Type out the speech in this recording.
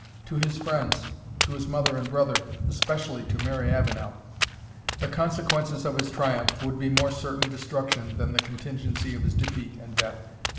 To his friends to his mother and brother especially to Mary Avenel the consequences of his triumph would be more certain destruction than the contingency of his defeat and death.